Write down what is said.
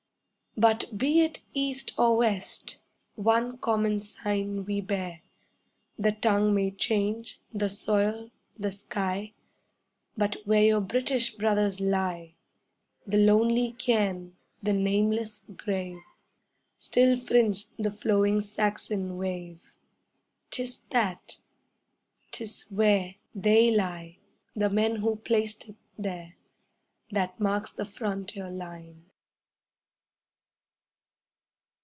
'But be it east or west, One common sign we bear, The tongue may change, the soil, the sky, But where your British brothers lie, The lonely cairn, the nameless grave, Still fringe the flowing Saxon wave. 'Tis that! 'Tis where They lie—the men who placed it there, That marks the frontier line.